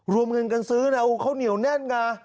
รวมเงินกันซื้อนะเขาเหนียวแน่นไง